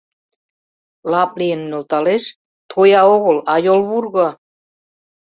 Лап лийын нӧлталеш — тоя огыл, а йолвурго.